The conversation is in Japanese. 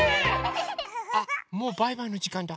あもうバイバイのじかんだ！